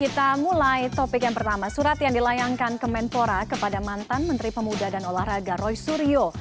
kita mulai topik yang pertama surat yang dilayangkan kemenpora kepada mantan menteri pemuda dan olahraga roy suryo